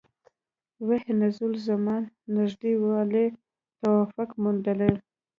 وحي نزول زمان نژدې والی توفیق موندلي.